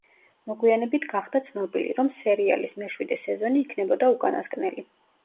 მოგვიანებით გახდა ცნობილი, რომ სერიალის მეშვიდე სეზონი იქნებოდა უკანასკნელი.